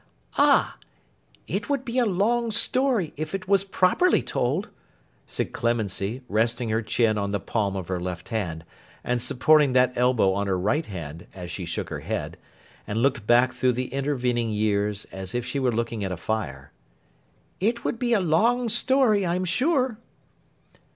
'Ah! It would be a long story, if it was properly told,' said Clemency, resting her chin on the palm of her left hand, and supporting that elbow on her right hand, as she shook her head, and looked back through the intervening years, as if she were looking at a fire. 'It would be a long story, I am sure.